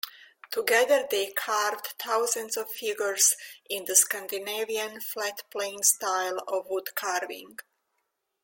Together they carved thousands of figures in the Scandinavian flat-plane style of woodcarving.